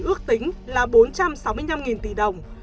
ước tính là bốn trăm sáu mươi năm tỷ đồng